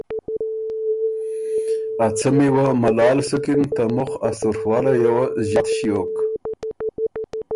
ا څمی وه ملال سُکِن، ته مُخ ا سُوڒوالئ یه وه ݫات ݭیوک